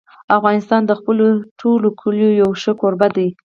افغانستان د خپلو ټولو کلیو یو ښه کوربه دی.